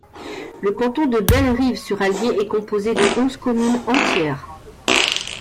Le canton de Bellerive-sur-Allier est composé de onze communes entières.